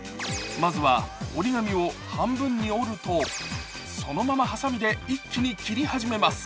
まずは折り紙を半分に折るとそのままはさみで一気に切り始めます。